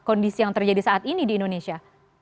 kondisi yang terjadi saat ini di indonesia